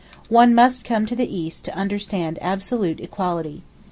One must come to the East to understand absolute equality.